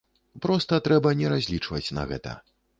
Проста трэба не разлічваць на гэта.